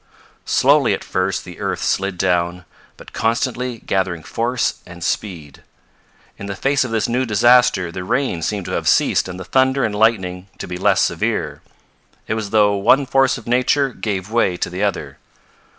Slowly at first the earth slid down, but constantly gathering force and speed. In the face of this new disaster the rain seemed to have ceased and the thunder and lightning to be less severe. It was as though one force of nature gave way to the other.